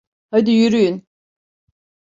Hadi, yürüyün!